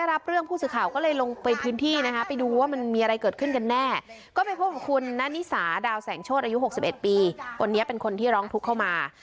เอาไปดูคลิปช่วงที่เขามีเหตุวิวาทะเลาะกันหน่อยค่ะ